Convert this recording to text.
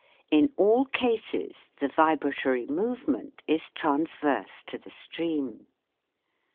In all cases the vibra tory movement is transverse to the stream.